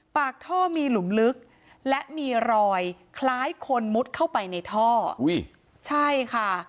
ปากท่อมีหลุมลึกและมีรอยคล้ายคนมุดเข้าไปในท่ออุ้ยใช่ค่ะ